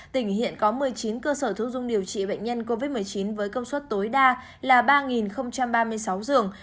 tỉnh hiện có một mươi chín cơ sở thu dung điều trị bệnh nhân covid một mươi chín với công suất tối đa là ba ba mươi sáu giường